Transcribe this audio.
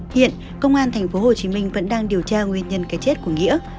hiện công an tp hcm vẫn đang điều tra nguyên nhân cái chết của nghĩa